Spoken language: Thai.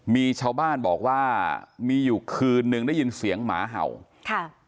มีชาวบ้านบอกว่ามีอยู่คืนนึงได้ยินเสียงหมาเห่าค่ะ